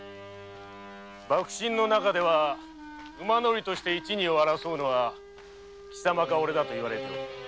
幕臣の中では馬乗りとして一・二を争うのは貴様かおれかと言われておる。